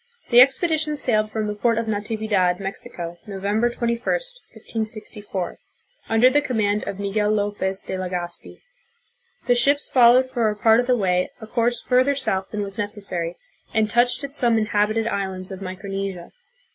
The expedi tion sailed from the port of Natividad, Mexico, November 21, 1564, under the command of Miguel Lopez de Legazpi. The ships followed for a part of the way a course further south than was necessary, and touched at some inhabited islands of Micronesia.